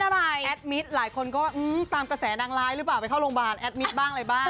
บางนะบ้างบาง